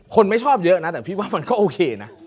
ไม่ชอบเยอะนะแต่พี่ว่ามันก็โอเคนะ